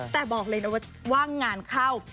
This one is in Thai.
แต่บอกว่าวางานเข้า